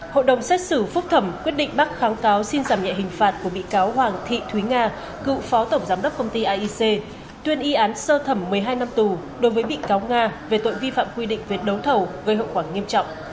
hội đồng xét xử phúc thẩm quyết định bác kháng cáo xin giảm nhẹ hình phạt của bị cáo hoàng thị thúy nga cựu phó tổng giám đốc công ty aic tuyên y án sơ thẩm một mươi hai năm tù đối với bị cáo nga về tội vi phạm quy định về đấu thầu gây hậu quả nghiêm trọng